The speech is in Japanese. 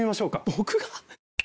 僕が？